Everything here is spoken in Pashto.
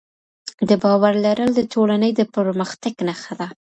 د باور لرل د ټولنې د پرمختګ نښه ده.